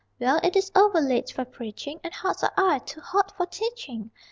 Well, it is ower late for preaching And hearts are aye too hot for teaching!